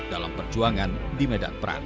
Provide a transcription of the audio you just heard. dalam perjuangan di medan perang